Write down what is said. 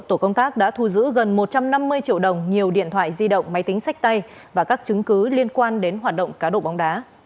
tổ công tác đã thu giữ gần một trăm năm mươi triệu đồng nhiều điện thoại di động máy tính sách tay và các chứng cứ liên quan đến hoạt động cá độ bóng đá